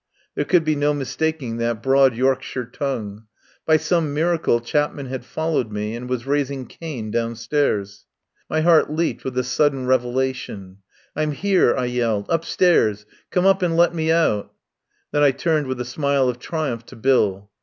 There could be no mistaking that broad Yorkshire tongue. By some miracle Chap man had followed me and was raising Cain downstairs. My heart leaped with the sudden revulsion. "I'm here," I yelled. "Upstairs. Come up and let me out!" Then I turned with a smile of triumph to Bill.